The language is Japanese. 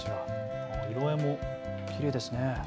色合いもきれいですね。